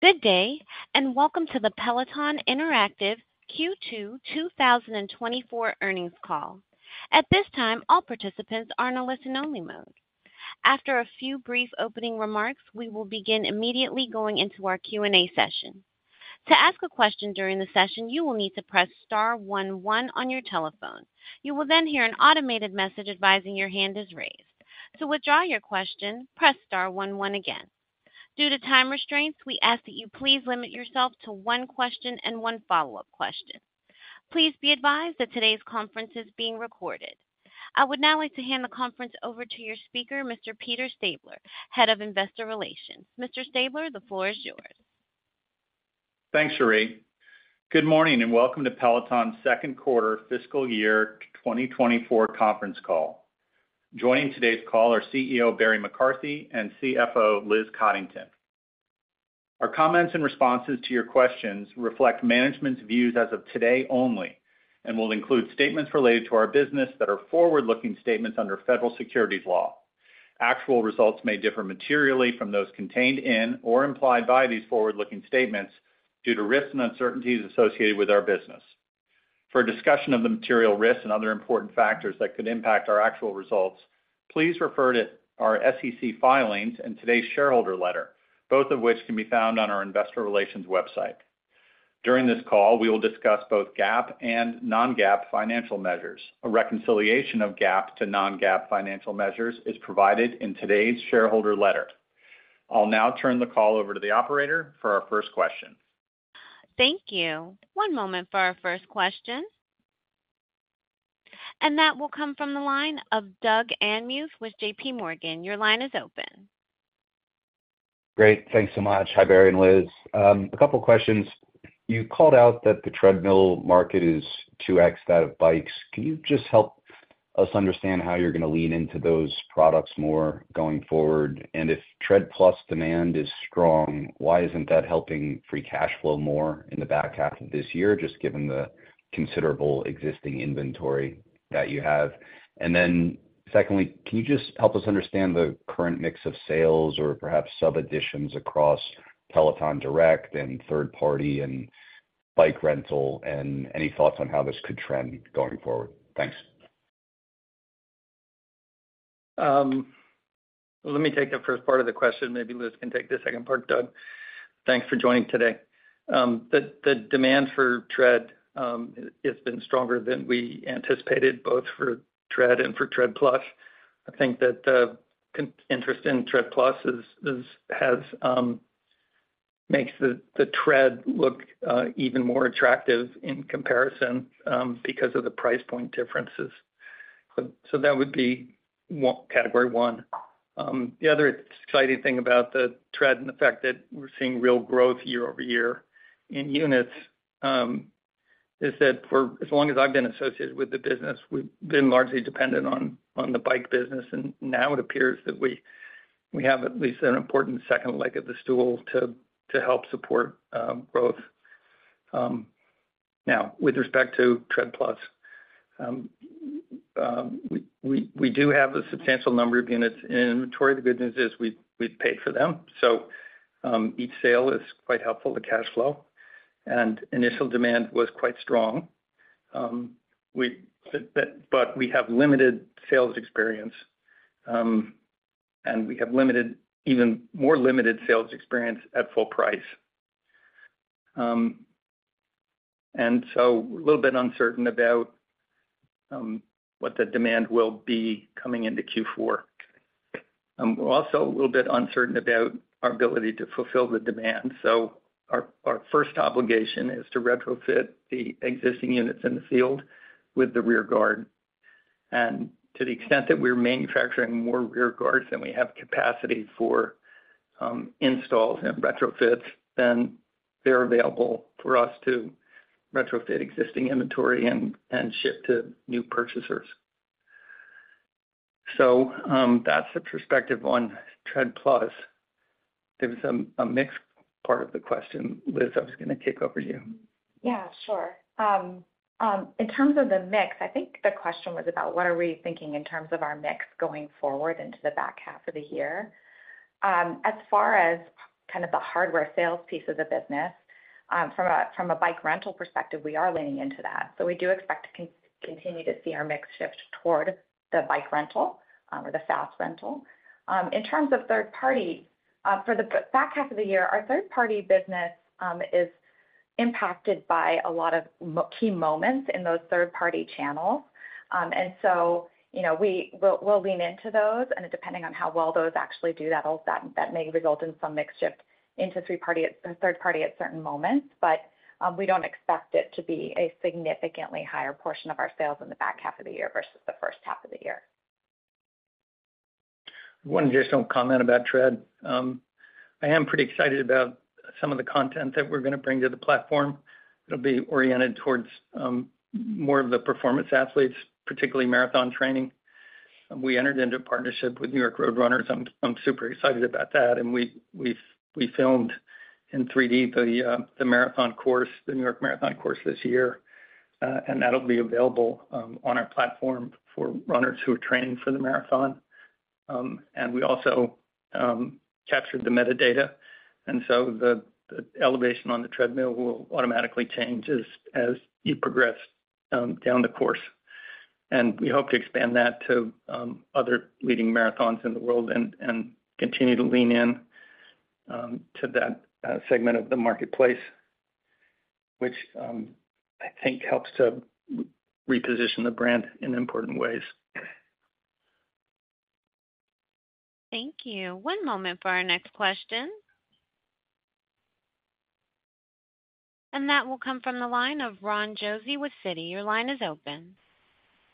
Good day, and welcome to the Peloton Interactive Q2 2024 earnings call. At this time, all participants are in a listen-only mode. After a few brief opening remarks, we will begin immediately going into our Q&A session. To ask a question during the session, you will need to press star one one on your telephone. You will then hear an automated message advising your hand is raised. To withdraw your question, press star one one again. Due to time restraints, we ask that you please limit yourself to one question and one follow-up question. Please be advised that today's conference is being recorded. I would now like to hand the conference over to your speaker, Mr. Peter Stabler, Head of Investor Relations. Mr. Stabler, the floor is yours. Thanks, Cherie. Good morning, and welcome to Peloton's second quarter fiscal year 2024 conference call. Joining today's call are CEO Barry McCarthy and CFO Liz Coddington. Our comments and responses to your questions reflect management's views as of today only and will include statements related to our business that are forward-looking statements under federal securities law. Actual results may differ materially from those contained in or implied by these forward-looking statements due to risks and uncertainties associated with our business. For a discussion of the material risks and other important factors that could impact our actual results, please refer to our SEC filings and today's shareholder letter, both of which can be found on our investor relations website. During this call, we will discuss both GAAP and non-GAAP financial measures. A reconciliation of GAAP to non-GAAP financial measures is provided in today's shareholder letter. I'll now turn the call over to the operator for our first question. Thank you. One moment for our first question. That will come from the line of Doug Anmuth with JPMorgan. Your line is open. Great. Thanks so much. Hi, Barry and Liz. A couple of questions. You called out that the treadmill market is 2x out of bikes. Can you just help us understand how you're gonna lean into those products more going forward? And if Tread+ demand is strong, why isn't that helping free cash flow more in the back half of this year, just given the considerable existing inventory that you have? And then secondly, can you just help us understand the current mix of sales or perhaps sub-additions across Peloton Direct and third party and bike rental, and any thoughts on how this could trend going forward? Thanks. Let me take the first part of the question. Maybe Liz can take the second part, Doug. Thanks for joining today. The demand for Tread has been stronger than we anticipated, both for Tread and for Tread+. I think that the interest in Tread+ is has makes the Tread look even more attractive in comparison because of the price point differences. So that would be one, category one. The other exciting thing about the Tread and the fact that we're seeing real growth year-over-year in units is that for as long as I've been associated with the business, we've been largely dependent on the bike business, and now it appears that we have at least an important second leg of the stool to help support growth. Now, with respect to Tread+, we do have a substantial number of units in inventory. The good news is we've paid for them, so each sale is quite helpful to cash flow, and initial demand was quite strong. But we have limited sales experience, and we have even more limited sales experience at full price. And so a little bit uncertain about what the demand will be coming into Q4. We're also a little bit uncertain about our ability to fulfill the demand. So our first obligation is to retrofit the existing units in the field with the Rear Guard. And to the extent that we're manufacturing more Rear Guards than we have capacity for installs and retrofits, then they're available for us to retrofit existing inventory and ship to new purchasers. So that's the perspective on Tread+. There was a mix part of the question. Liz, I was gonna kick over to you. Yeah, sure. In terms of the mix, I think the question was about what are we thinking in terms of our mix going forward into the back half of the year. As far as kind of the hardware sales piece of the business, from a bike rental perspective, we are leaning into that. So we do expect to continue to see our mix shift toward the bike rental, or the SaaS rental. In terms of third party, for the back half of the year, our third-party business is impacted by a lot of key moments in those third-party channels. And so, you know, we'll lean into those, and depending on how well those actually do, that may result in some mix shift into third party at certain moments, but we don't expect it to be a significantly higher portion of our sales in the back half of the year versus the first half of the year. One, just some comment about Tread. I am pretty excited about some of the content that we're gonna bring to the platform. It'll be oriented towards more of the performance athletes, particularly marathon training. We entered into a partnership with New York Road Runners. I'm super excited about that, and we filmed in 3D the marathon course, the New York Marathon course this year, and that'll be available on our platform for runners who are training for the marathon. And we also captured the metadata, and so the elevation on the treadmill will automatically change as you progress down the course. We hope to expand that to other leading marathons in the world and continue to lean in to that segment of the marketplace, which I think helps to reposition the brand in important ways. Thank you. One moment for our next question. That will come from the line of Ron Josey with Citi. Your line is open.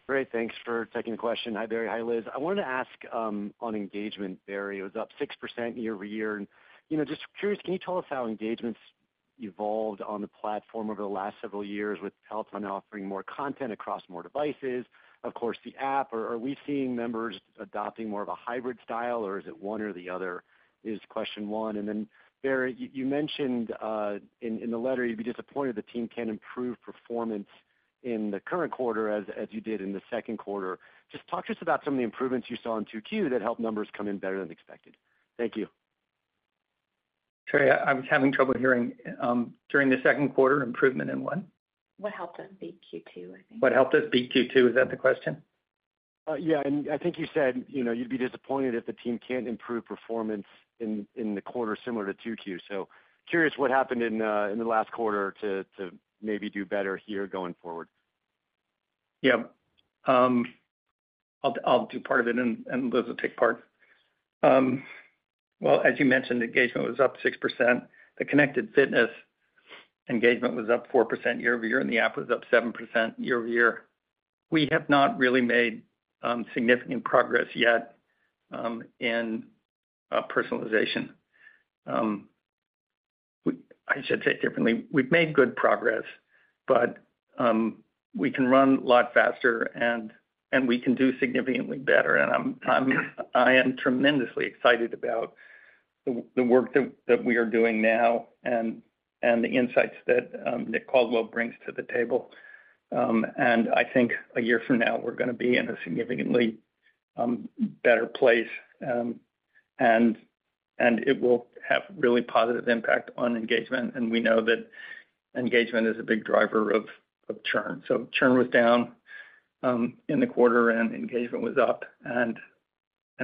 Great. Thanks for taking the question. Hi, Barry. Hi, Liz. I wanted to ask on engagement, Barry. It was up 6% year-over-year. And, you know, just curious, can you tell us how engagement's evolved on the platform over the last several years with Peloton offering more content across more devices? Of course, the app, are we seeing members adopting more of a hybrid style, or is it one or the other, is question one. And then, Barry, you mentioned in the letter, you'd be disappointed the team can't improve performance in the current quarter as you did in the second quarter. Just talk to us about some of the improvements you saw in Q2 that helped numbers come in better than expected. Thank you. Sorry, I was having trouble hearing. During the second quarter, improvement in what? What helped us beat Q2, I think. What helped us beat Q2? Is that the question? Yeah, I think you said, you know, you'd be disappointed if the team can't improve performance in the quarter similar to Q2. So curious what happened in the last quarter to maybe do better here going forward? Yeah. I'll, I'll do part of it, and, and Liz will take part. Well, as you mentioned, engagement was up 6%. The connected fitness engagement was up 4% year-over-year, and the app was up 7% year-over-year. We have not really made significant progress yet in personalization. We-- I should say it differently. We've made good progress, but we can run a lot faster, and, and we can do significantly better. And I'm, I'm-- I am tremendously excited about the, the work that, that we are doing now and, and the insights that Nick Caldwell brings to the table. And I think a year from now, we're gonna be in a significantly better place. And, and it will have really positive impact on engagement, and we know that engagement is a big driver of, of churn. So churn was down in the quarter, and engagement was up, and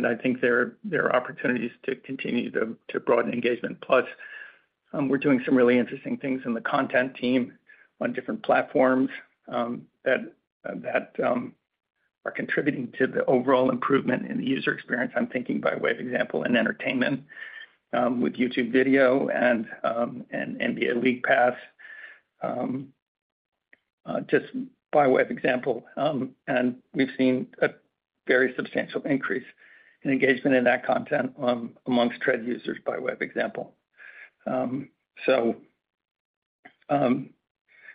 I think there are opportunities to continue to broaden engagement. Plus, we're doing some really interesting things in the content team on different platforms that are contributing to the overall improvement in the user experience. I'm thinking by way of example, in entertainment, with YouTube video and NBA League Pass, just by way of example. And we've seen a very substantial increase in engagement in that content among Tread users by way of example. So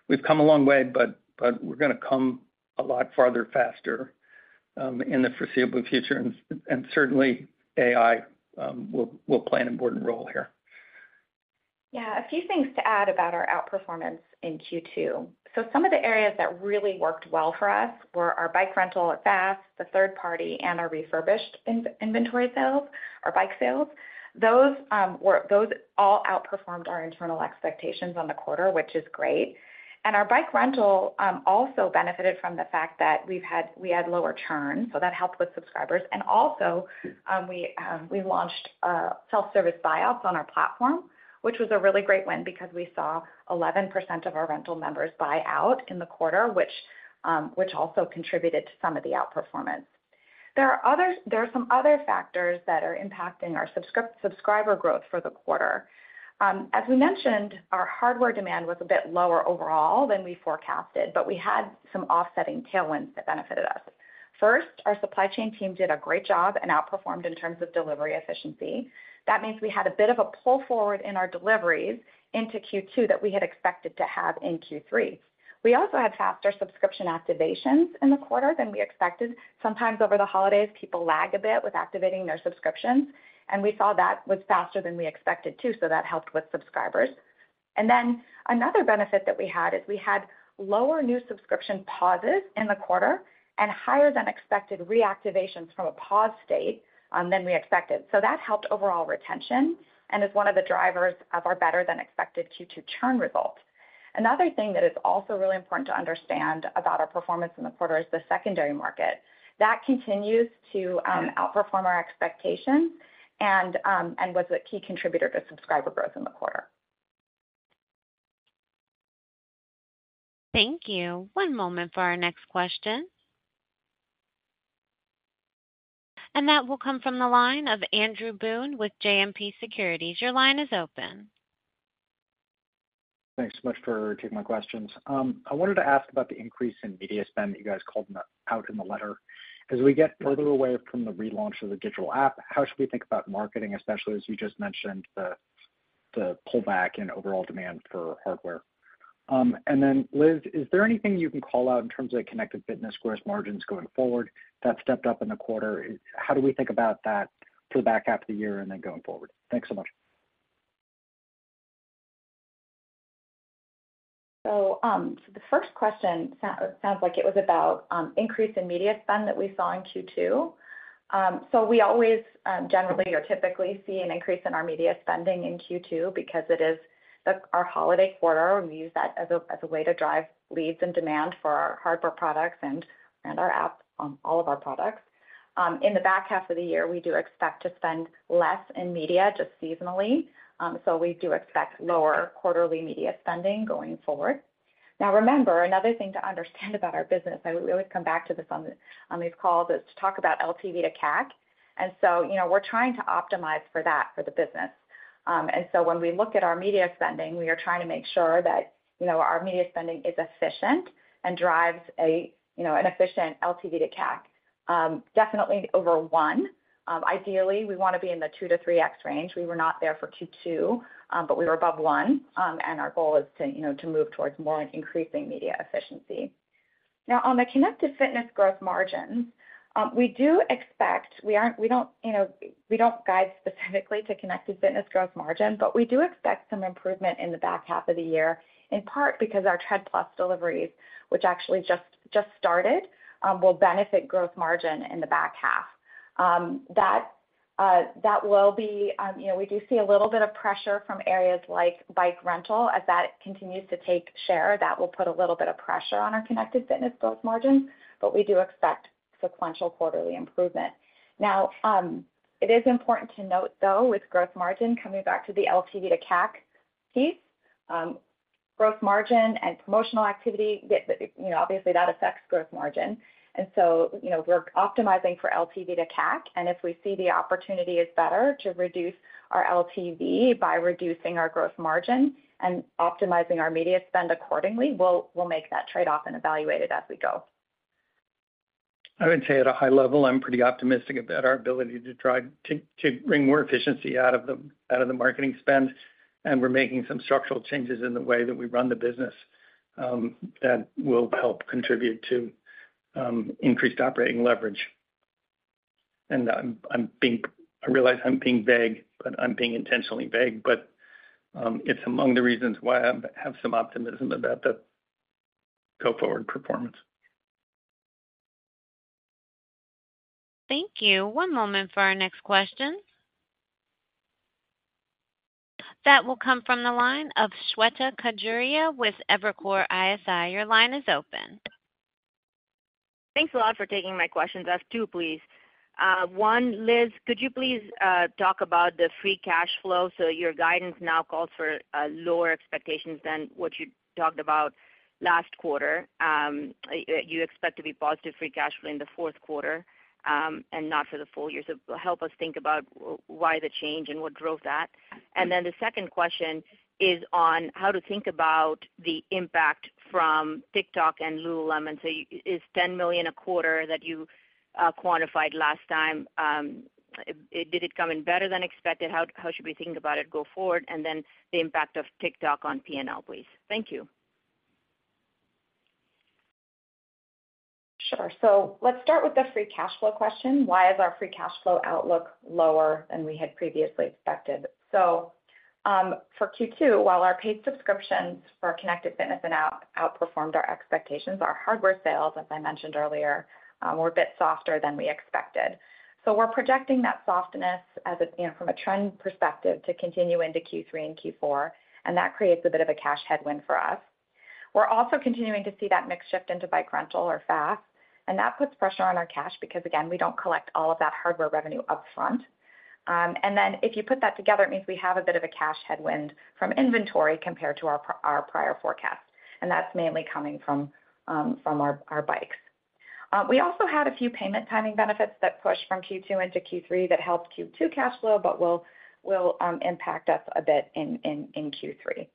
we've come a long way, but we're gonna come a lot farther, faster, in the foreseeable future. And certainly, AI will play an important role here. Yeah, a few things to add about our outperformance in Q2. So some of the areas that really worked well for us were our bike rental at Fast, the third party, and our refurbished in-inventory sales, our bike sales. Those were all outperformed our internal expectations on the quarter, which is great. And our bike rental also benefited from the fact that we've had lower churn, so that helped with subscribers. And also, we launched a self-service buyouts on our platform, which was a really great win because we saw 11% of our rental members buy out in the quarter, which also contributed to some of the outperformance. There are some other factors that are impacting our subscriber growth for the quarter. As we mentioned, our hardware demand was a bit lower overall than we forecasted, but we had some offsetting tailwinds that benefited us. First, our supply chain team did a great job and outperformed in terms of delivery efficiency. That means we had a bit of a pull forward in our deliveries into Q2 that we had expected to have in Q3. We also had faster subscription activations in the quarter than we expected. Sometimes over the holidays, people lag a bit with activating their subscriptions, and we saw that was faster than we expected, too, so that helped with subscribers. And then another benefit that we had is we had lower new subscription pauses in the quarter and higher than expected reactivations from a pause state, than we expected. So that helped overall retention and is one of the drivers of our better-than-expected Q2 churn results. Another thing that is also really important to understand about our performance in the quarter is the secondary market. That continues to outperform our expectations and was a key contributor to subscriber growth in the quarter. Thank you. One moment for our next question. That will come from the line of Andrew Boone with JMP Securities. Your line is open. Thanks so much for taking my questions. I wanted to ask about the increase in media spend that you guys called out in the letter. As we get further away from the relaunch of the digital app, how should we think about marketing, especially as you just mentioned, the pullback in overall demand for hardware? And then, Liz, is there anything you can call out in terms of the connected fitness gross margins going forward that stepped up in the quarter? How do we think about that for the back half of the year and then going forward? Thanks so much. So, the first question sounds like it was about increase in media spend that we saw in Q2. So we always generally or typically see an increase in our media spending in Q2 because it is our holiday quarter. We use that as a way to drive leads and demand for our hardware products and our app on all of our products. In the back half of the year, we do expect to spend less in media, just seasonally. So we do expect lower quarterly media spending going forward. Now remember, another thing to understand about our business, I would always come back to this on these calls, is to talk about LTV:CAC. You know, we're trying to optimize for that for the business. And so when we look at our media spending, we are trying to make sure that, you know, our media spending is efficient and drives a, you know, an efficient LTV:CAC, definitely over 1. Ideally, we wanna be in the 2-3x range. We were not there for Q2, but we were above 1. And our goal is to, you know, to move towards more increasing media efficiency. Now, on the Connected Fitness growth margin, we do expect we don't, you know, we don't guide specifically to Connected Fitness growth margin, but we do expect some improvement in the back half of the year, in part because our Tread+ deliveries, which actually just started, will benefit growth margin in the back half. That will be, you know, we do see a little bit of pressure from areas like bike rental. As that continues to take share, that will put a little bit of pressure on our Connected Fitness growth margin, but we do expect sequential quarterly improvement. Now, it is important to note, though, with growth margin coming back to the LTV:CAC piece, growth margin and promotional activity, you know, obviously that affects growth margin. And so, you know, we're optimizing for LTV:CAC, and if we see the opportunity is better to reduce our LTV by reducing our growth margin and optimizing our media spend accordingly, we'll make that trade-off and evaluate it as we go. I would say at a high level, I'm pretty optimistic about our ability to drive to bring more efficiency out of the marketing spend, and we're making some structural changes in the way that we run the business that will help contribute to increased operating leverage. I realize I'm being vague, but I'm being intentionally vague, but it's among the reasons why I have some optimism about the go-forward performance. Thank you. One moment for our next question. That will come from the line of Shweta Khajuria with Evercore ISI. Your line is open. Thanks a lot for taking my questions. I have two, please. One, Liz, could you please talk about the free cash flow? So your guidance now calls for lower expectations than what you talked about last quarter. You expect to be positive free cash flow in the fourth quarter, and not for the full year. So help us think about why the change and what drove that. And then the second question is on how to think about the impact from TikTok and lululemon. So is $10 million a quarter that you quantified last time? Did it come in better than expected? How should we think about it go forward? And then the impact of TikTok on P&L, please. Thank you. Sure. So let's start with the free cash flow question. Why is our free cash flow outlook lower than we had previously expected? So, for Q2, while our paid subscriptions for Connected Fitness and outperformed our expectations, our hardware sales, as I mentioned earlier, were a bit softer than we expected. So we're projecting that softness as a, you know, from a trend perspective, to continue into Q3 and Q4, and that creates a bit of a cash headwind for us. We're also continuing to see that mix shift into bike rental or Fast, and that puts pressure on our cash because, again, we don't collect all of that hardware revenue upfront. And then if you put that together, it means we have a bit of a cash headwind from inventory compared to our prior forecast, and that's mainly coming from our bikes. We also had a few payment timing benefits that pushed from Q2 into Q3 that helped Q2 cash flow, but will impact us a bit in Q3.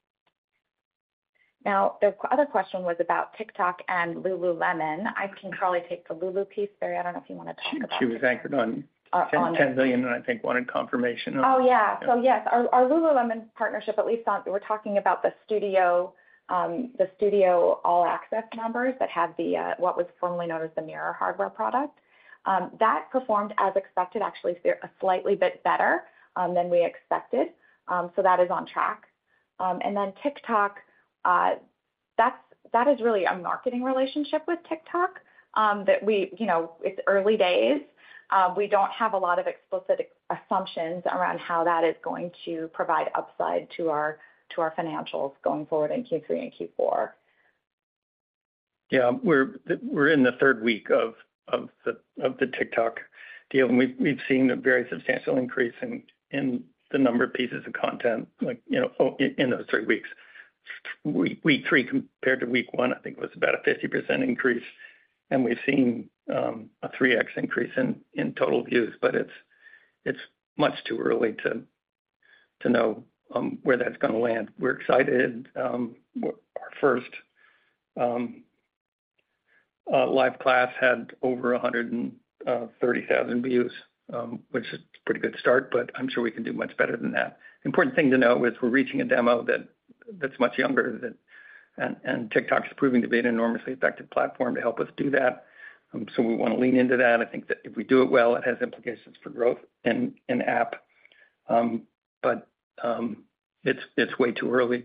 Now, the other question was about TikTok and lululemon. I can probably take the Lulu piece. Barry, I don't know if you wanna talk about- She was anchored on- On the- $10 million, and I think wanted confirmation on it. Oh, yeah. So yes, our lululemon partnership, at least on... We're talking about the Studio All-Access members that have the what was formerly known as the Mirror hardware product. That performed as expected, actually, a slightly bit better than we expected. So that is on track. And then TikTok, that's that is really a marketing relationship with TikTok that we you know, it's early days. We don't have a lot of explicit assumptions around how that is going to provide upside to our to our financials going forward in Q3 and Q4. Yeah, we're in the third week of the TikTok deal, and we've seen a very substantial increase in the number of pieces of content, like, you know, in those three weeks. Week three compared to week one, I think, was about a 50% increase, and we've seen a 3x increase in total views, but it's much too early to know where that's gonna land. We're excited. Our first live class had over 130,000 views, which is a pretty good start, but I'm sure we can do much better than that. Important thing to note is we're reaching a demo that's much younger than... TikTok is proving to be an enormously effective platform to help us do that. So we wanna lean into that. I think that if we do it well, it has implications for growth and app. But it's way too early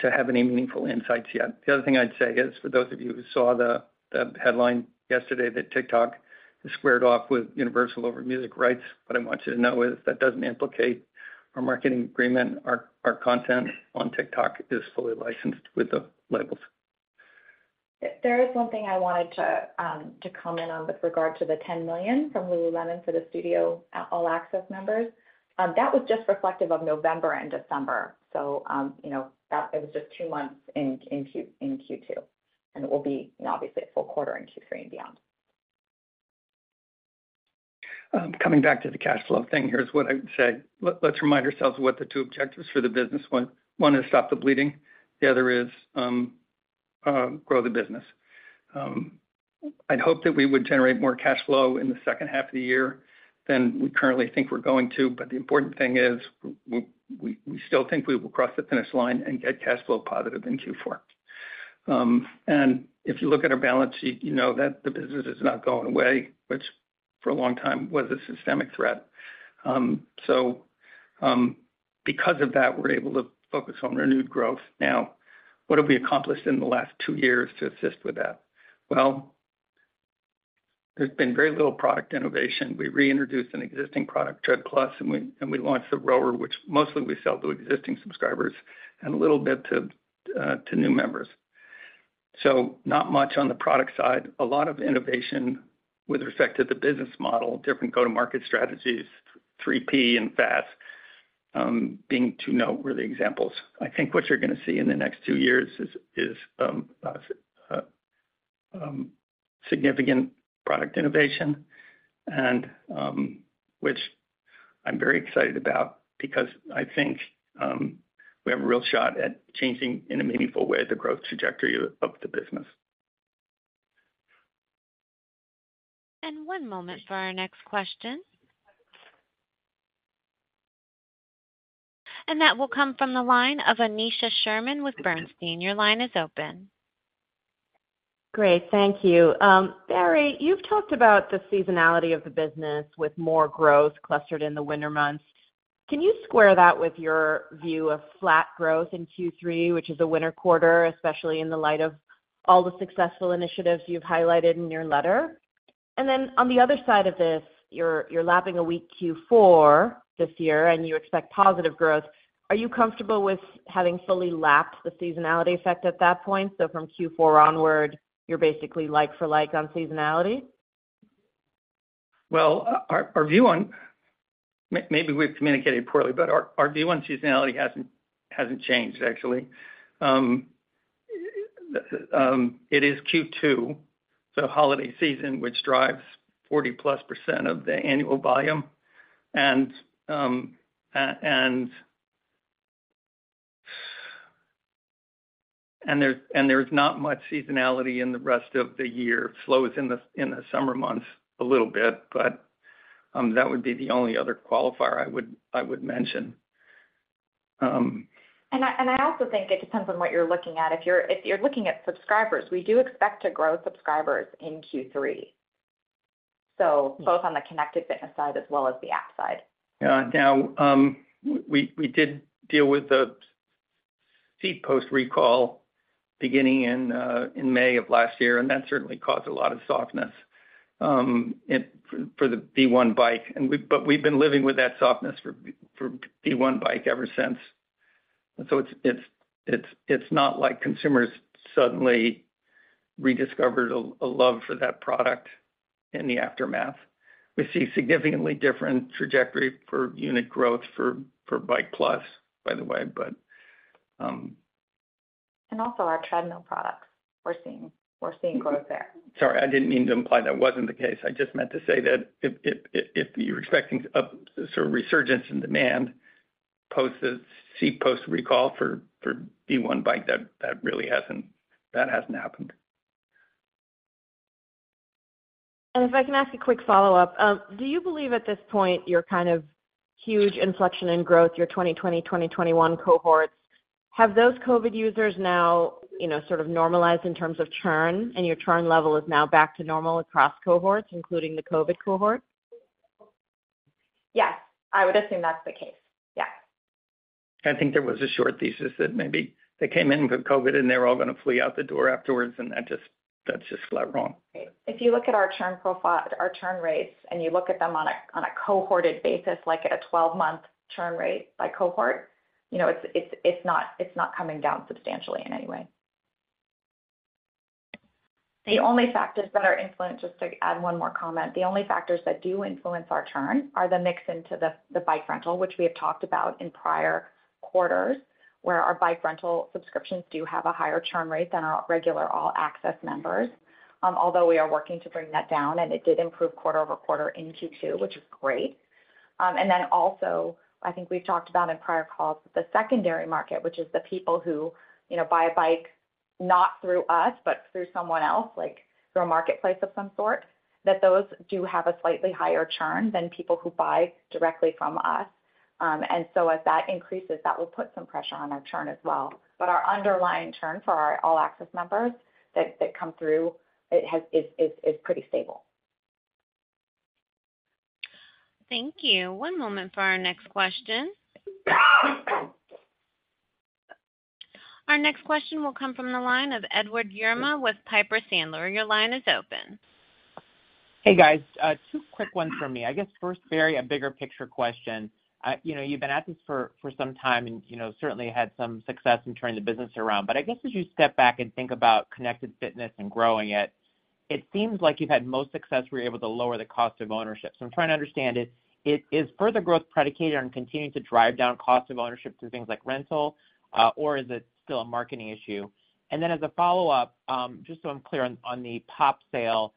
to have any meaningful insights yet. The other thing I'd say is, for those of you who saw the headline yesterday, that TikTok squared off with Universal over music rights, what I want you to know is that doesn't implicate our marketing agreement. Our content on TikTok is fully licensed with the labels. There is one thing I wanted to comment on with regard to the $10 million from lululemon for the studio, All-Access members. That was just reflective of November and December. So, you know, that it was just two months in Q2, and it will be obviously a full quarter in Q3 and beyond. Coming back to the cash flow thing, here's what I would say. Let's remind ourselves what the two objectives for the business were. One is stop the bleeding, the other is grow the business. I'd hope that we would generate more cash flow in the second half of the year than we currently think we're going to. But the important thing is, we still think we will cross the finish line and get cash flow positive in Q4. If you look at our balance sheet, you know that the business is not going away, which for a long time was a systemic threat. Because of that, we're able to focus on renewed growth. Now, what have we accomplished in the last two years to assist with that? Well, there's been very little product innovation. We reintroduced an existing product, Tread+, and we, and we launched the Rower, which mostly we sell to existing subscribers and a little bit to new members. So not much on the product side. A lot of innovation with respect to the business model, different go-to-market strategies, 3P and Fast, being two noteworthy examples. I think what you're gonna see in the next two years is significant product innovation and, which I'm very excited about because I think we have a real shot at changing, in a meaningful way, the growth trajectory of the business. One moment for our next question. That will come from the line of Aneesha Sherman with Bernstein. Your line is open. Great, thank you. Barry, you've talked about the seasonality of the business with more growth clustered in the winter months. Can you square that with your view of flat growth in Q3, which is a winter quarter, especially in the light of all the successful initiatives you've highlighted in your letter? And then on the other side of this, you're, you're lapping a weak Q4 this year, and you expect positive growth. Are you comfortable with having fully lapped the seasonality effect at that point? So from Q4 onward, you're basically like for like on seasonality? Well, our view on—maybe we've communicated poorly, but our view on seasonality hasn't changed, actually. It is Q2, so holiday season, which drives 40+% of the annual volume. And there's not much seasonality in the rest of the year. It slows in the summer months a little bit, but that would be the only other qualifier I would mention. I also think it depends on what you're looking at. If you're looking at subscribers, we do expect to grow subscribers in Q3. So both on the connected fitness side as well as the app side. Yeah. Now, we did deal with the Seat Post Recall beginning in May of last year, and that certainly caused a lot of softness for the V1 Bike. But we've been living with that softness for V1 Bike ever since. So it's not like consumers suddenly rediscovered a love for that product in the aftermath. We see significantly different trajectory for unit growth for Bike+, by the way, but Also, our treadmill products, we're seeing growth there. Sorry, I didn't mean to imply that wasn't the case. I just meant to say that if you're expecting a sort of resurgence in demand post the seat post recall for V1 Bike, that really hasn't happened. If I can ask a quick follow-up. Do you believe at this point, your kind of huge inflection in growth, your 2020, 2021 cohorts, have those COVID users now, you know, sort of normalized in terms of churn, and your churn level is now back to normal across cohorts, including the COVID cohort? Yes, I would assume that's the case. Yeah. I think there was a short thesis that maybe they came in with COVID, and they're all gonna flee out the door afterwards, and that just, that just flat wrong. If you look at our churn profile, our churn rates, and you look at them on a cohorted basis, like at a 12-month churn rate by cohort, you know, it's not coming down substantially in any way. The only factors that are influenced... Just to add one more comment. The only factors that do influence our churn are the mix into the bike rental, which we have talked about in prior quarters, where our bike rental subscriptions do have a higher churn rate than our regular All-Access members. Although we are working to bring that down, and it did improve quarter-over-quarter in Q2, which is great. And then also, I think we've talked about in prior calls, the Secondary Market, which is the people who, you know, buy a Bike, not through us, but through someone else, like through a marketplace of some sort, that those do have a slightly higher churn than people who buy directly from us. And so as that increases, that will put some pressure on our churn as well. But our underlying churn for our All-Access members that, that come through it has-- is, is, is pretty stable. Thank you. One moment for our next question.... Our next question will come from the line of Edward Yruma with Piper Sandler. Your line is open. Hey, guys. Two quick ones from me. I guess first, Barry, a bigger picture question. You know, you've been at this for some time and, you know, certainly had some success in turning the business around. But I guess as you step back and think about connected fitness and growing it, it seems like you've had most success where you're able to lower the cost of ownership. So I'm trying to understand it. Is further growth predicated on continuing to drive down cost of ownership through things like rental, or is it still a marketing issue? And then as a follow-up, just so I'm clear on the POP sale,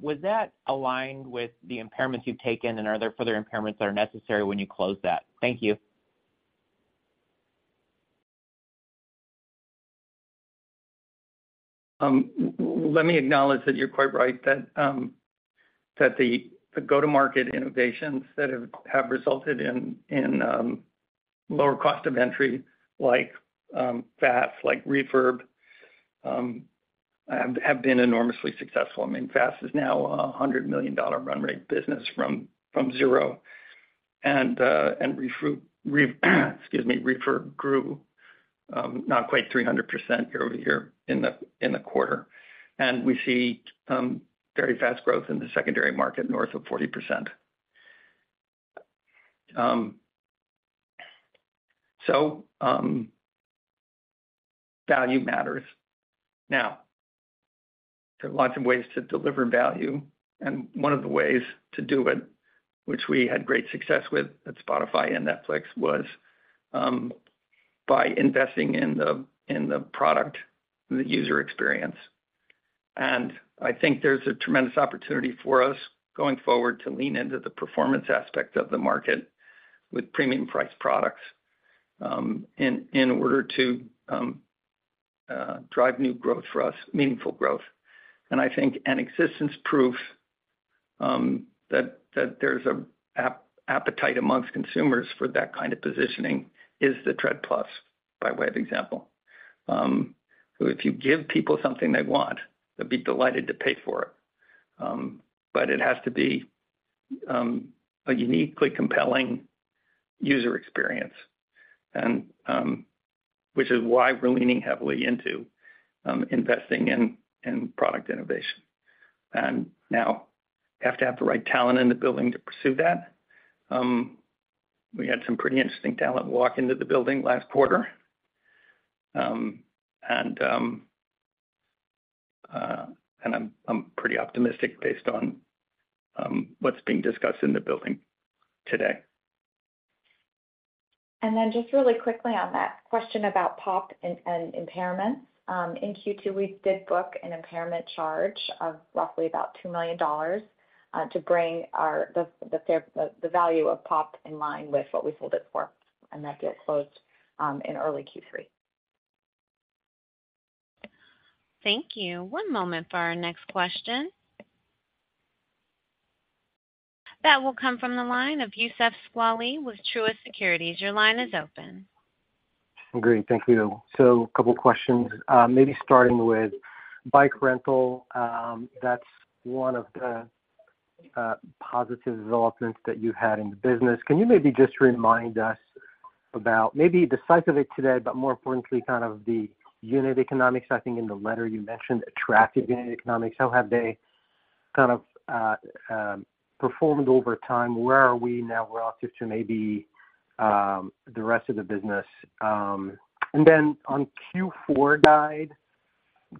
was that aligned with the impairments you've taken, and are there further impairments that are necessary when you close that? Thank you. Let me acknowledge that you're quite right, that the go-to-market innovations that have resulted in lower cost of entry, like Fast, like Refurb, have been enormously successful. I mean, Fast is now a $100 million run rate business from zero. And, excuse me, Refurb grew not quite 300% year-over-year in the quarter. And we see very fast growth in the secondary market, north of 40%. So, value matters. Now, there are lots of ways to deliver value, and one of the ways to do it, which we had great success with at Spotify and Netflix, was by investing in the product and the user experience. I think there's a tremendous opportunity for us going forward to lean into the performance aspect of the market with premium price products in order to drive new growth for us, meaningful growth. I think an existence proof that there's an appetite amongst consumers for that kind of positioning is the Tread+, by way of example. So if you give people something they want, they'd be delighted to pay for it. But it has to be a uniquely compelling user experience, and which is why we're leaning heavily into investing in product innovation. Now, you have to have the right talent in the building to pursue that. We had some pretty interesting talent walk into the building last quarter. I'm pretty optimistic based on what's being discussed in the building today. And then just really quickly on that question about POP and impairments. In Q2, we did book an impairment charge of roughly about $2 million to bring our the fair value of POP in line with what we sold it for, and that deal closed in early Q3. Thank you. One moment for our next question. That will come from the line of Youssef Squali with Truist Securities. Your line is open. Great. Thank you. So a couple questions, maybe starting with bike rental. That's one of the positive developments that you've had in the business. Can you maybe just remind us about maybe the size of it today, but more importantly, kind of the unit economics? I think in the letter you mentioned attractive unit economics. How have they kind of performed over time? Where are we now relative to maybe the rest of the business? And then on Q4 guide,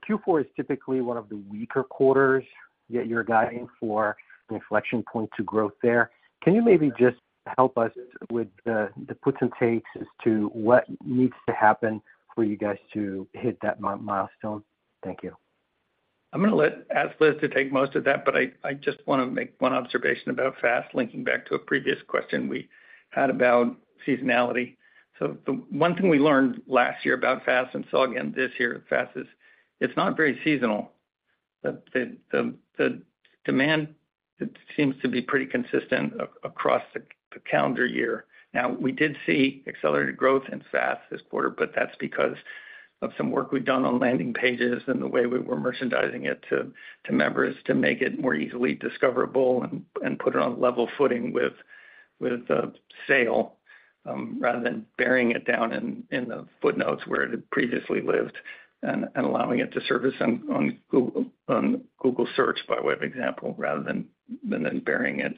Q4 is typically one of the weaker quarters, yet you're guiding for an inflection point to growth there. Can you maybe just help us with the puts and takes as to what needs to happen for you guys to hit that milestone? Thank you. I'm gonna ask Liz to take most of that, but I just wanna make one observation about Fast, linking back to a previous question we had about seasonality. So the one thing we learned last year about Fast, and saw again this year with Fast, is it's not very seasonal. The demand seems to be pretty consistent across the calendar year. Now, we did see accelerated growth in Fast this quarter, but that's because of some work we've done on landing pages and the way we were merchandising it to members to make it more easily discoverable and put it on level footing with sale, rather than burying it down in the footnotes where it had previously lived and allowing it to surface on Google, on Google search, by way of example, rather than burying it.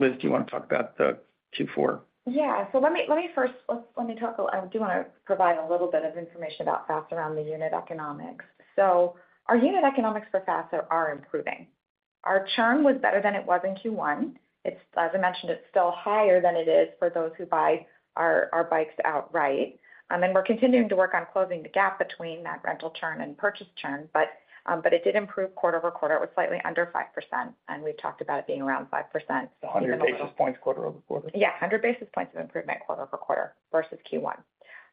Liz, do you wanna talk about the Q4? Yeah. So let me first let me talk a little. I do wanna provide a little bit of information about Fast around the unit economics. So our unit economics for Fast are improving. Our churn was better than it was in Q1. It's, as I mentioned, it's still higher than it is for those who buy our bikes outright. And we're continuing to work on closing the gap between that rental churn and purchase churn, but it did improve quarter-over-quarter. It was slightly under 5%, and we've talked about it being around 5%. 100 basis points quarter-over-quarter? Yeah, 100 basis points of improvement quarter-over-quarter versus Q1.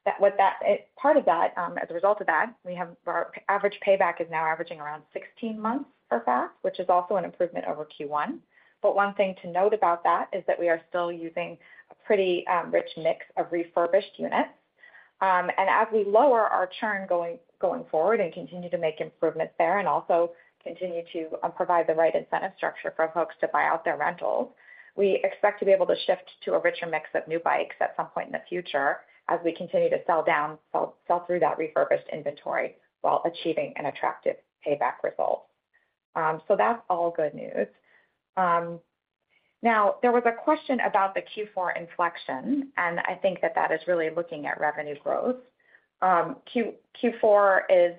That, it, part of that, as a result of that, we have our average payback is now averaging around 16 months for Fast, which is also an improvement over Q1. But one thing to note about that is that we are still using a pretty rich mix of refurbished units, and as we lower our churn going forward and continue to make improvements there, and also continue to provide the right incentive structure for folks to buy out their rentals, we expect to be able to shift to a richer mix of new bikes at some point in the future as we continue to sell through that refurbished inventory while achieving an attractive payback result. So that's all good news. Now, there was a question about the Q4 inflection, and I think that that is really looking at revenue growth. Q4 is,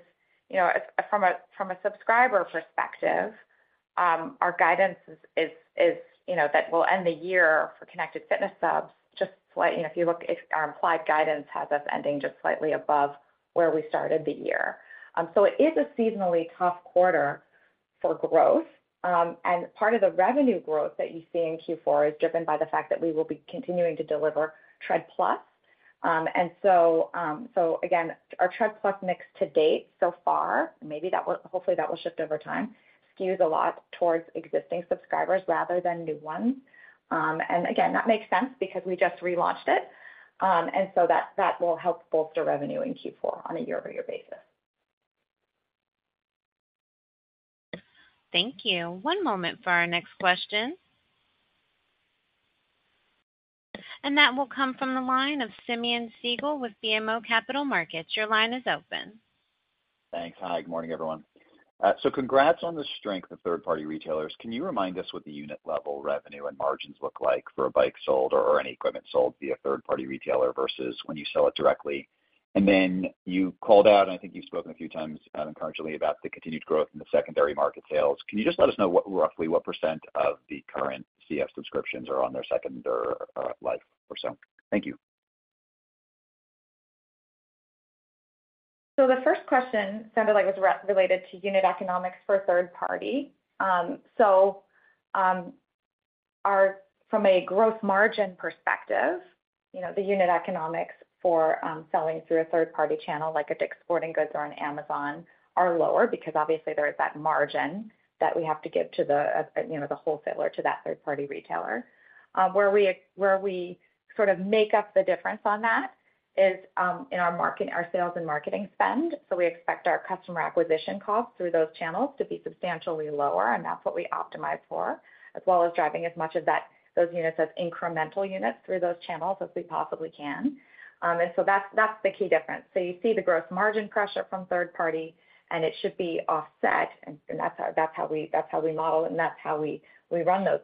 you know, from a subscriber perspective, our guidance is, you know, that we'll end the year for Connected Fitness subs just slightly—you know, if you look, if our implied guidance has us ending just slightly above where we started the year. So it is a seasonally tough quarter for growth, and part of the revenue growth that you see in Q4 is driven by the fact that we will be continuing to deliver Tread+. And so, so again, our Tread+ mix to date so far, maybe that will—hopefully, that will shift over time, skews a lot towards existing subscribers rather than new ones. And again, that makes sense because we just relaunched it. And so that will help bolster revenue in Q4 on a year-over-year basis. Thank you. One moment for our next question. And that will come from the line of Simeon Siegel with BMO Capital Markets. Your line is open. Thanks. Hi, good morning, everyone. So congrats on the strength of third-party retailers. Can you remind us what the unit level revenue and margins look like for a bike sold or any equipment sold via third-party retailer versus when you sell it directly? And then you called out, and I think you've spoken a few times concurrently about the continued growth in the secondary market sales. Can you just let us know what, roughly what percent of the current CF subscriptions are on their second or life or so? Thank you. So the first question sounded like it was related to unit economics for a third party. From a gross margin perspective, you know, the unit economics for selling through a third-party channel, like a Dick's Sporting Goods or an Amazon, are lower because obviously there is that margin that we have to give to the, you know, the wholesaler, to that third-party retailer. Where we sort of make up the difference on that is in our marketing and sales spend. So we expect our customer acquisition costs through those channels to be substantially lower, and that's what we optimize for, as well as driving as much of those units as incremental units through those channels as we possibly can. And so that's the key difference. So you see the gross margin pressure from third party, and it should be offset, and that's how we model, and that's how we run those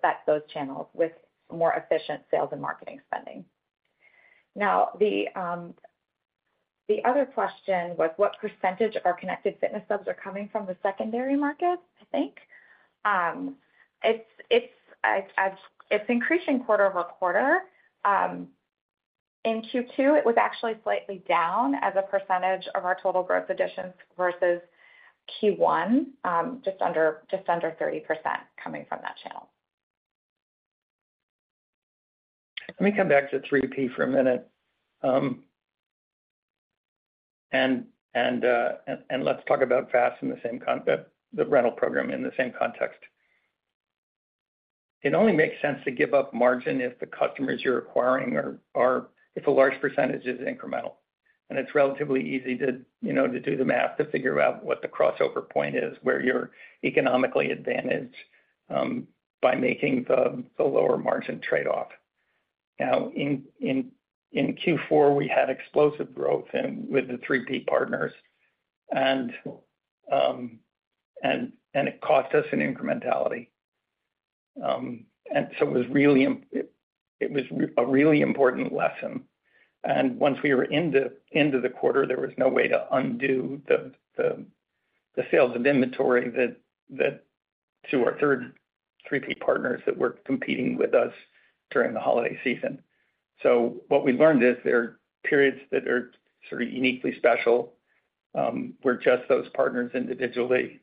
channels with more efficient sales and marketing spending. Now, the other question was what percentage of our Connected Fitness subs are coming from the Secondary Market, I think? It's increasing quarter-over-quarter. In Q2, it was actually slightly down as a percentage of our total growth additions versus Q1, just under 30% coming from that channel. Let me come back to 3P for a minute. And let's talk about Fast in the same context, the rental program in the same context. It only makes sense to give up margin if the customers you're acquiring are—if a large percentage is incremental. And it's relatively easy to, you know, to do the math, to figure out what the crossover point is, where you're economically advantaged by making the lower margin trade-off. Now, in Q4, we had explosive growth in with the 3P partners, and it cost us an incrementality. And so it was a really important lesson. Once we were into the quarter, there was no way to undo the sales and inventory to our third-party 3P partners that were competing with us during the holiday season. So what we learned is there are periods that are sort of uniquely special, where just those partners individually,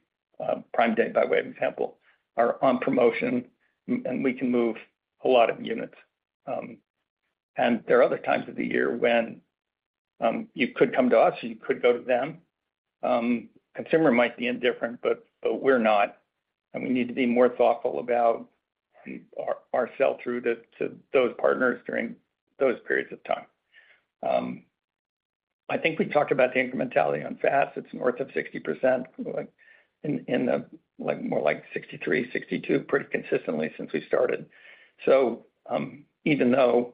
Prime Day, by way of example, are on promotion, and we can move a lot of units. And there are other times of the year when you could come to us or you could go to them. Consumer might be indifferent, but we're not, and we need to be more thoughtful about our sell-through to those partners during those periods of time. I think we talked about the incrementality on Fast. It's north of 60%, like, in the, like, more like 63%, 62%, pretty consistently since we started. So, even though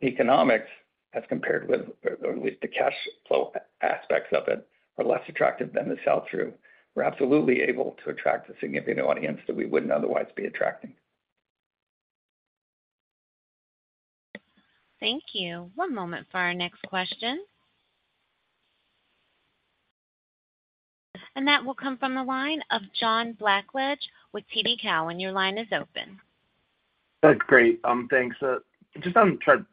the economics as compared with, or at least the cash flow aspects of it, are less attractive than the sell-through, we're absolutely able to attract a significant audience that we wouldn't otherwise be attracting. Thank you. One moment for our next question. That will come from the line of John Blackledge with TD Cowen. Your line is open. That's great. Thanks. Just on Tread+,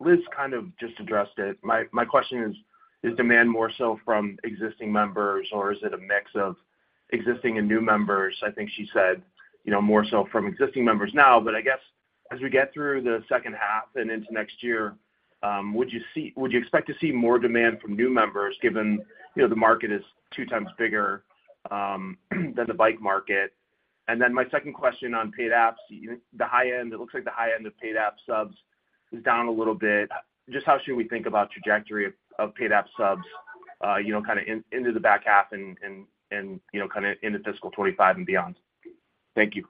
Liz kind of just addressed it. My question is, is demand more so from existing members, or is it a mix of existing and new members? I think she said, you know, more so from existing members now, but I guess as we get through the second half and into next year, would you expect to see more demand from new members given, you know, the market is two times bigger than the Bike market? And then my second question on paid apps, the high end, it looks like the high end of paid app subs is down a little bit. Just how should we think about trajectory of paid app subs, you know, kind of into the back half and you know, kind of into fiscal 2025 and beyond? Thank you.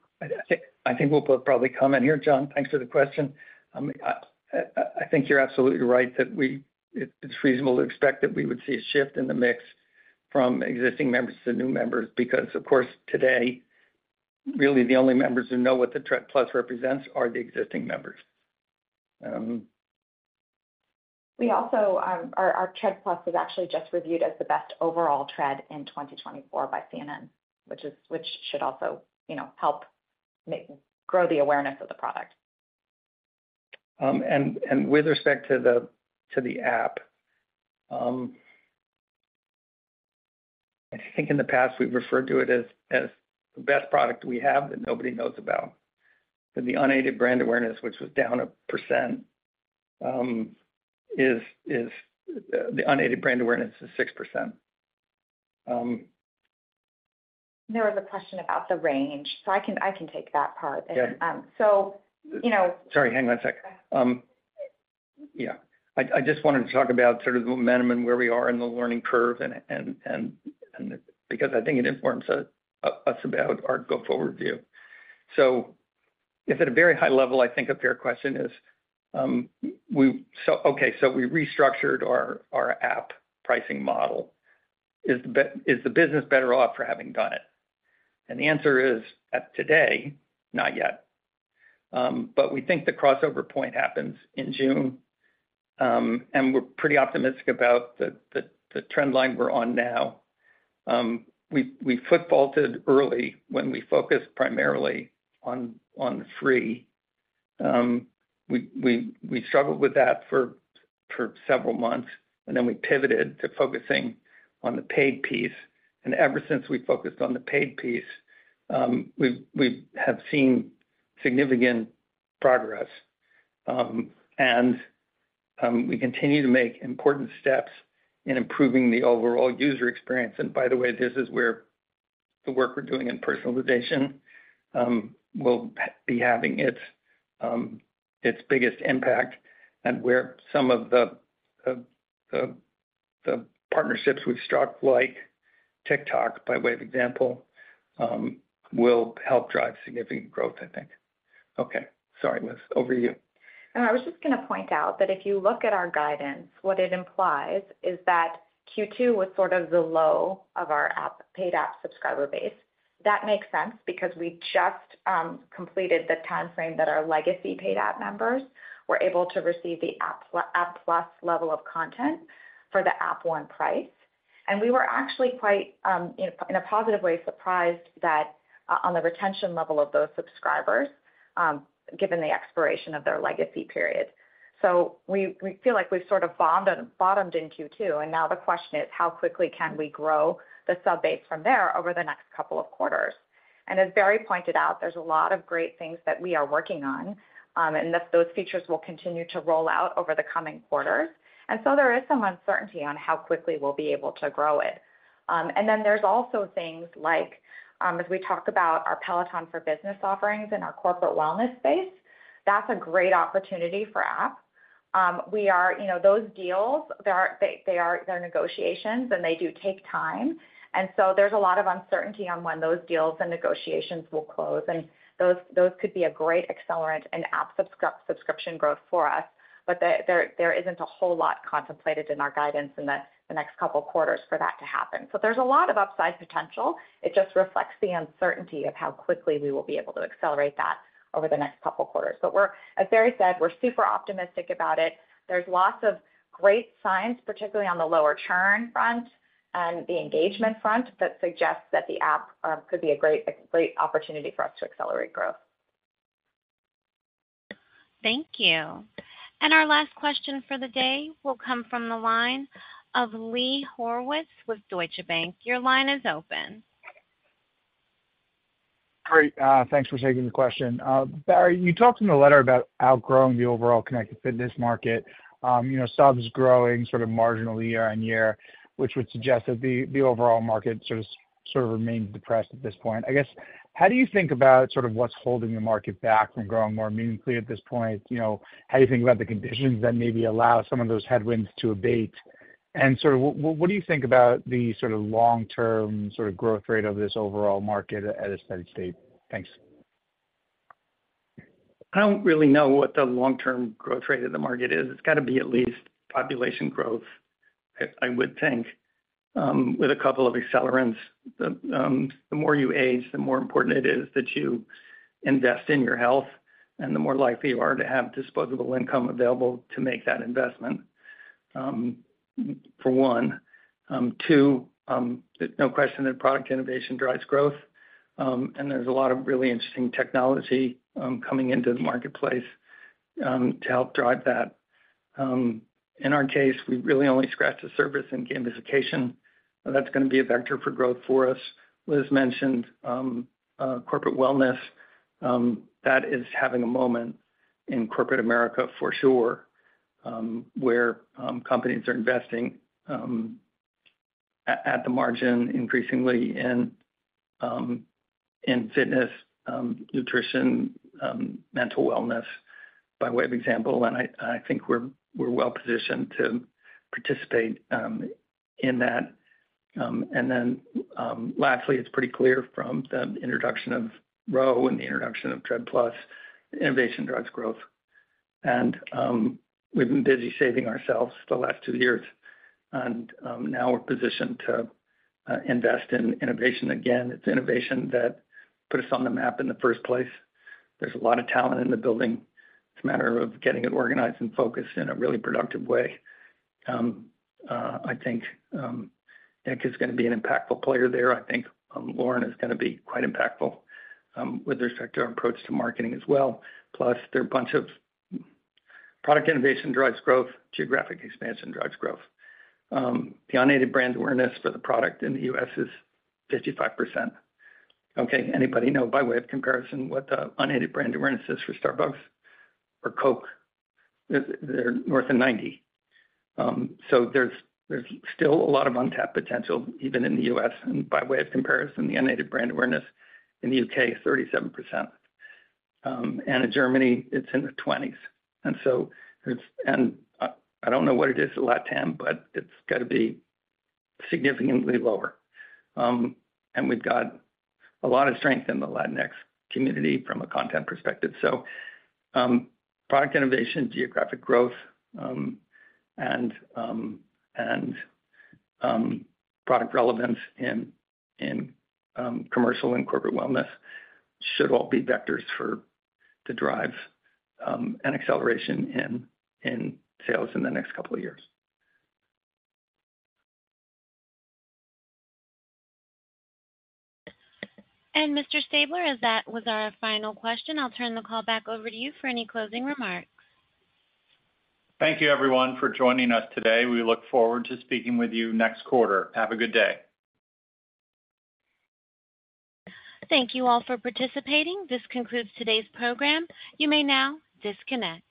I think we'll both probably comment here, John. Thanks for the question. I think you're absolutely right that it's reasonable to expect that we would see a shift in the mix from existing members to new members, because, of course, today, really the only members who know what the Tread+ represents are the existing members. We also, our Tread+ was actually just reviewed as the best overall Tread in 2024 by CNN, which should also, you know, help grow the awareness of the product. And with respect to the app, I think in the past, we've referred to it as the best product we have that nobody knows about. But the unaided brand awareness, which was down 1%, is the unaided brand awareness is 6%. There was a question about the range, so I can, I can take that part. Yeah. So, you know- Sorry, hang on a sec. Yeah. I just wanted to talk about sort of the momentum and where we are in the learning curve and because I think it informs us about our go-forward view. So if at a very high level, I think a fair question is, So, okay, so we restructured our app pricing model. Is the business better off for having done it? And the answer is, as of today, not yet. But we think the crossover point happens in June, and we're pretty optimistic about the trend line we're on now. We foot-faulted early when we focused primarily on free. We struggled with that for several months, and then we pivoted to focusing on the paid piece. Ever since we focused on the paid piece, we've seen significant progress. We continue to make important steps in improving the overall user experience. By the way, this is where the work we're doing in personalization will be having its biggest impact, and where some of the partnerships we've struck, like TikTok by way of example, will help drive significant growth, I think. Okay. Sorry, Liz, over to you. I was just gonna point out that if you look at our guidance, what it implies is that Q2 was sort of the low of our app-paid app subscriber base. That makes sense because we just completed the time frame that our legacy paid app members were able to receive the App+ level of content for the App One price. And we were actually quite in a positive way surprised that on the retention level of those subscribers given the expiration of their legacy period. So we feel like we've sort of bottomed in Q2, and now the question is, how quickly can we grow the sub base from there over the next couple of quarters? As Barry pointed out, there's a lot of great things that we are working on, and that those features will continue to roll out over the coming quarters. So there is some uncertainty on how quickly we'll be able to grow it. Then there's also things like, as we talk about our Peloton for Business offerings and our corporate wellness space, that's a great opportunity for app. We are, you know, those deals, they are negotiations, and they do take time. So there's a lot of uncertainty on when those deals and negotiations will close, and those could be a great accelerant in app subscription growth for us. But there isn't a whole lot contemplated in our guidance in the next couple of quarters for that to happen. So there's a lot of upside potential. It just reflects the uncertainty of how quickly we will be able to accelerate that over the next couple of quarters. But we're, as Barry said, we're super optimistic about it. There's lots of great signs, particularly on the lower churn front and the engagement front, that suggests that the app, could be a great, a great opportunity for us to accelerate growth. Thank you. And our last question for the day will come from the line of Lee Horowitz with Deutsche Bank. Your line is open. Great. Thanks for taking the question. Barry, you talked in the letter about outgrowing the overall connected fitness market, you know, subs growing sort of marginally year on year, which would suggest that the overall market sort of remains depressed at this point. I guess, how do you think about sort of what's holding the market back from growing more meaningfully at this point? You know, how do you think about the conditions that maybe allow some of those headwinds to abate? And sort of what do you think about the sort of long-term sort of growth rate of this overall market at a steady state? Thanks. I don't really know what the long-term growth rate of the market is. It's got to be at least population growth, I would think, with a couple of accelerants. The more you age, the more important it is that you invest in your health, and the more likely you are to have disposable income available to make that investment, for one. Two, there's no question that product innovation drives growth, and there's a lot of really interesting technology coming into the marketplace to help drive that. In our case, we've really only scratched the surface in gamification, and that's gonna be a vector for growth for us. Liz mentioned corporate wellness that is having a moment in corporate America for sure, where companies are investing,... At the margin, increasingly in fitness, nutrition, mental wellness, by way of example, and I think we're well positioned to participate in that. And then, lastly, it's pretty clear from the introduction of Row and the introduction of Tread+, innovation drives growth. And we've been busy saving ourselves the last two years, and now we're positioned to invest in innovation again. It's innovation that put us on the map in the first place. There's a lot of talent in the building. It's a matter of getting it organized and focused in a really productive way. I think Nick is gonna be an impactful player there. I think Lauren is gonna be quite impactful with respect to our approach to marketing as well. Plus, there are a bunch of product innovation drives growth, geographic expansion drives growth. The unaided brand awareness for the product in the U.S. is 55%. Okay, anybody know, by way of comparison, what the unaided brand awareness is for Starbucks or Coke? They're north of 90. So there's still a lot of untapped potential, even in the U.S. By way of comparison, the unaided brand awareness in the U.K. is 37%. In Germany, it's in the 20s. I don't know what it is in LatAm, but it's got to be significantly lower. We've got a lot of strength in the Latinx community from a content perspective. So, product innovation, geographic growth, and product relevance in commercial and corporate wellness should all be vectors for the drive and acceleration in sales in the next couple of years. Mr. Stabler, as that was our final question, I'll turn the call back over to you for any closing remarks. Thank you, everyone, for joining us today. We look forward to speaking with you next quarter. Have a good day. Thank you all for participating. This concludes today's program. You may now disconnect.